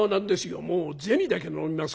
もう銭だけ飲みますから」。